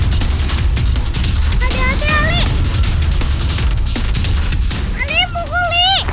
tuh apinya ke arah rumah kamu